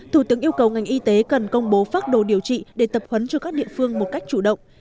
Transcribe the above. thủ tướng yêu cầu ngành y tế cần công bố phát đồ điều trị để tập huấn cho các địa phương một cách chủ động